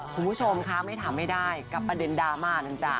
คุณผู้ชมคะไม่ถามไม่ได้กับประเด็นดราม่านั้นจ้ะ